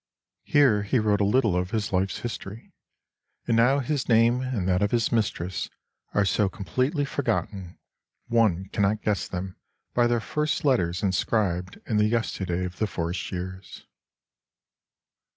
Here he wrote a little of his life's history, and now his name and that of his mistress are so completely forgotten one cannot guess them by their first letters inscribed in the yesterday of the forest's years.